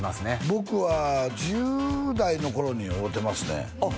僕は１０代の頃に会うてますねあっ